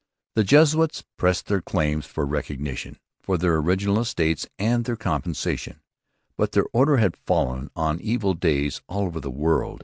The Jesuits pressed their claims for recognition, for their original estates, and for compensation. But their order had fallen on evil days all over the world.